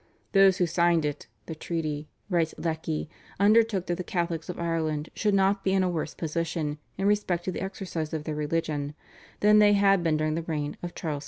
"Those who signed it [the Treaty]," writes Lecky, "undertook that the Catholics of Ireland should not be in a worse position, in respect to the exercise of their religion, than they had been in during the reign of Charles II.